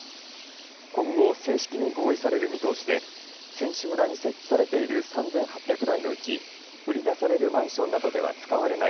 今後、正式に合意される見通しで選手村に設置されている３８００台のうち売り出されるマンションなどでは使われない